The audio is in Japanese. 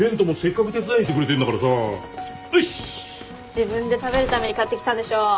自分で食べるために買ってきたんでしょ。